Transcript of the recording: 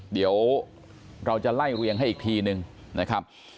เดี๋ยวเราจะไล่เรียงให้อีกทีนึงนะครับ